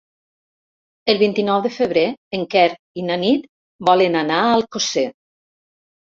El vint-i-nou de febrer en Quer i na Nit volen anar a Alcosser.